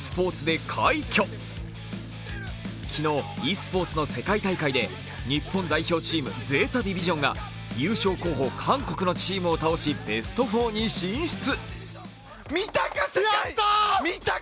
昨日、ｅスポーツの世界大会で日本代表チームＺＥＴＡＤＩＶＩＳＩＯＮが優勝候補韓国のチームを倒し、ベスト４に進出。